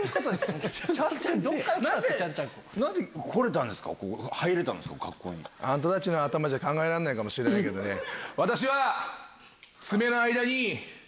あんたたちの頭じゃ考えらんないかもしれないけど私は。